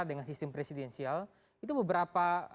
dengan sistem presidensial itu beberapa